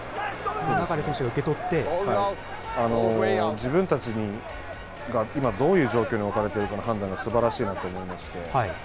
自分たちが今、どういう状況に置かれているかの判断がすばらしいなと思いまして。